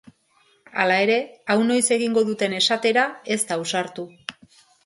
Hala ere, hau noiz egingo duten esatera ez da ausartu.